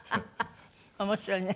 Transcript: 面白いね。